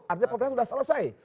artinya pemeriksaan sudah selesai